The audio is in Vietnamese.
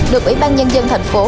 được ủy ban nhân dân thành phố